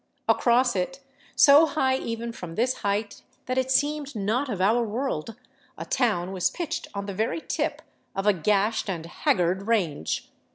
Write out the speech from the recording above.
Across it, so high even from this height that it seemed not of our world, a town was pitched on the very tip of a gashed and haggard range.